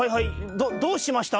どどうしました？」。